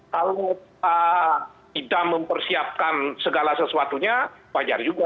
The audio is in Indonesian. kalau kita mempersiapkan segala sesuatunya wajar juga